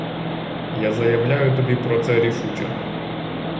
Я заявляю тобі про це рішуче.